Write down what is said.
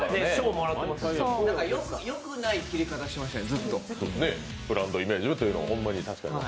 よくないキレ方してましたよ。